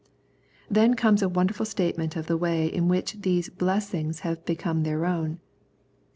Then comes a wonderful statement of the way in which these blessings had become their own.